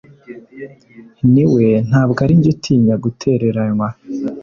Ni we ntabwo ari njye utinya gutereranwa